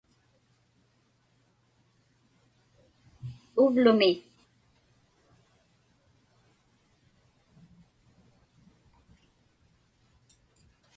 uvlumi